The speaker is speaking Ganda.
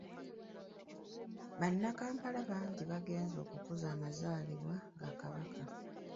Bannakampala bangi bagenze okukuza amazaalibwa ga Kabaka.